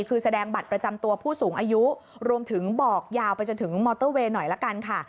คือแสดงบัตรประจำตัวผู้สูงอายุรวมถึงบอกยาวไปจนถึงมอเตอร์เวย์หน่อยละกันค่ะ